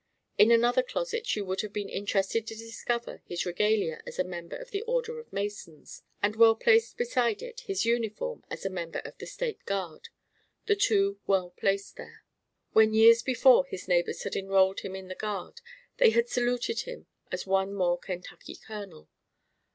In another closet you would have been interested to discover his regalia as a member of the Order of Masons; and well placed beside it his uniform as a member of the State Guard the two well placed there. When years before his neighbors had enrolled him in the Guard, they had saluted him as one more Kentucky Colonel.